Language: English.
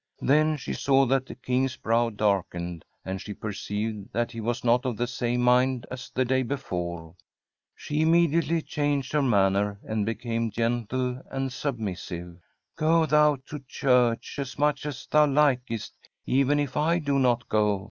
Then she saw that the King's brow darkened, tml *he perceived that he was not of the same miiul as the day before. She immediately (1661 SIGRID STORRADE changed her manner, and became gentle and submissive. * Go thou to church as mtfch as thou likest, even if I do not go.